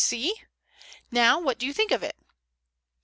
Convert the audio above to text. See? Now what do you think of it?"